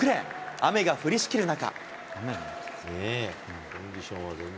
雨が降りしきる中。